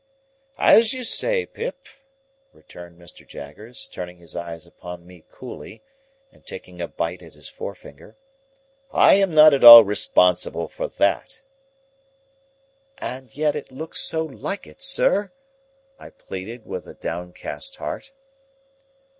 "As you say, Pip," returned Mr. Jaggers, turning his eyes upon me coolly, and taking a bite at his forefinger, "I am not at all responsible for that." "And yet it looked so like it, sir," I pleaded with a downcast heart.